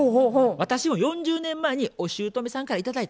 「私も４０年前におしゅうとめさんから頂いたやつや。